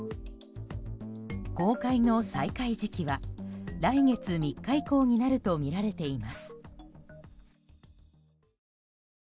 公開の再開時期は来月３日以降になるとみられています。